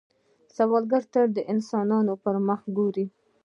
سوالګر تل د انسانانو پر مخ ګوري